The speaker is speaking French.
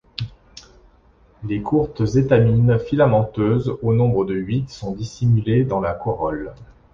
Les courtes étamines, filamenteuses, au nombre de huit, sont dissimulées dans la corolle.